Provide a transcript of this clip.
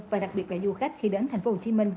và đặc biệt là du khách khi đến tp hcm